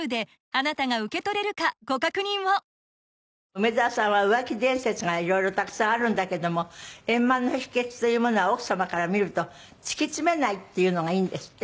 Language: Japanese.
梅沢さんは浮気伝説が色々たくさんあるんだけども円満の秘訣というものは奥様から見ると突き詰めないっていうのがいいんですって？